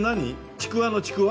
「“ちくわ”のちくわ」？